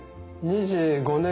２５年！